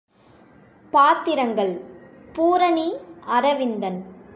பாத்திரங்கள் பூரணி அரவிந்தன்.